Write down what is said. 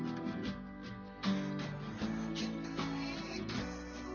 masyarakat civil di negara ini